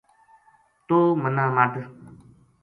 توہ منا مدھ